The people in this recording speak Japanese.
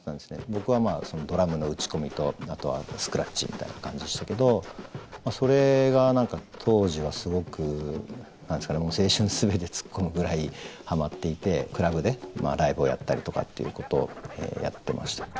僕はドラムの打ち込みとあとはスクラッチみたいな感じでしたけどそれが何か当時はすごく青春全て突っ込むぐらいハマっていてクラブでライブをやったりとかっていうことをやってました。